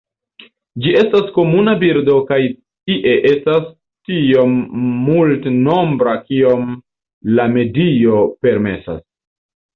Ĝi estas komuna birdo kaj ie estas tiom multnombra kiom la medio permesas.